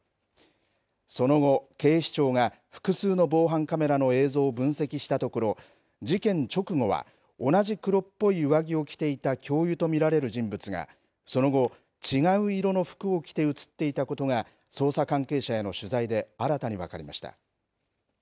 その後、警視庁が複数の防犯カメラの映像を分析したところ事件直後は同じ黒っぽい上着を着ていた教諭と見られる人物がその後、違う色の服を着て映っていたことが捜査関係者への取材で新たに分かりました。